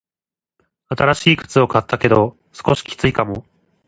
新しい靴を買ったけど、少しきついかも。